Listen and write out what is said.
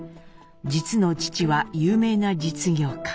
実の父は有名な実業家。